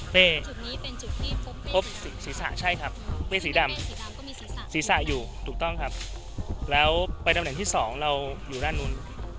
เป้จุดนี้เป็นจุดที่พบศรีษะใช่ครับเป้ศรีดำศรีษะอยู่ถูกต้องครับแล้วไปตำแหน่งที่สองเราอยู่ด้านโน้น